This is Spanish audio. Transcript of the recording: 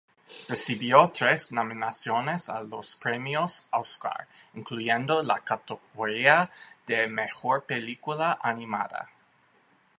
Recibió tres nominaciones a los premios Óscar, incluyendo la categoría de Mejor película animada.